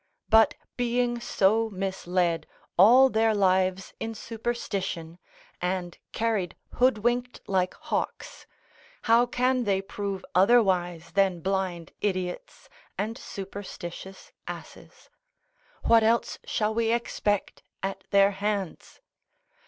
But being so misled all their lives in superstition, and carried hoodwinked like hawks, how can they prove otherwise than blind idiots, and superstitious asses? what else shall we expect at their hands?